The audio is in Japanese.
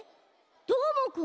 どーもくんは？